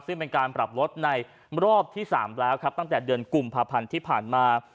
ซึ่งเป็นการปรับลดในรอบที่๓แล้วครับตั้งแต่เดือนกุมภาพันธ์ที่ผ่านมา